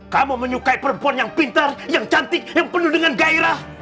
kamu menyukai perempuan yang pintar yang cantik yang penuh dengan gairah